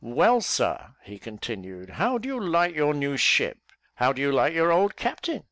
"Well, sir," he continued, "how do you like your new ship how do you like your old captain?